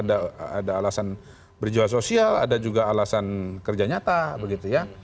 ada alasan berjual sosial ada juga alasan kerja nyata begitu ya